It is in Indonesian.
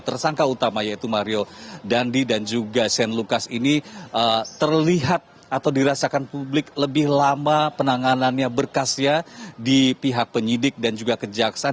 tersangka utama yaitu mario dandi dan juga shane lucas ini terlihat atau dirasakan publik lebih lama penanganannya berkasnya di pihak penyidik dan juga kejaksaan